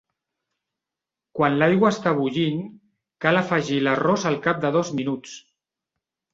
Quan l'aigua està bullint, cal afegir l'arròs al cap de dos minuts.